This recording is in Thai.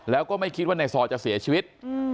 แล้วก็ไม่คิดว่าในซอยจะเสียชีวิต